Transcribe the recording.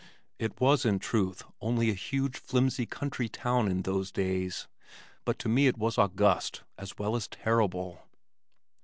It was in truth only a huge flimsy country town in those days, but to me it was august as well as terrible.